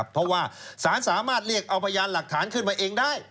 เพราะว่าสารสามารถเรียกเอาพยานหลักฐานขึ้นมาเองได้